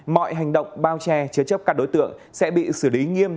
mọi hành động bao che chế chấp các đối tượng sẽ bị xử lý nghiêm